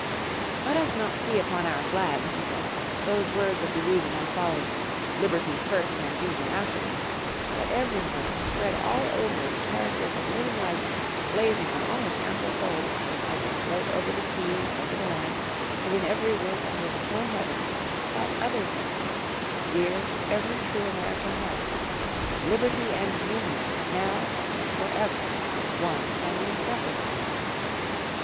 "Let us not see upon our flag," he said, "those words of delusion and folly 'Liberty first and Union afterwards'; but everywhere, spread all over in characters of living light, blazing on all its ample folds, as they float over the sea and over the land, and in every wind under the whole heavens, that other sentiment, dear to every true American heart, 'Liberty and Union,' now and for ever, one and inseparable."